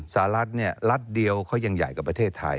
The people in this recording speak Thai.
สหรัฐรัฐเดียวเขายังใหญ่กับประเทศไทย